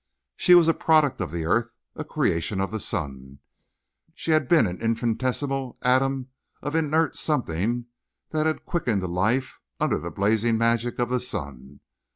She was a product of the earth—a creation of the sun. She had been an infinitesimal atom of inert something that had quickened to life under the blazing magic of the sun.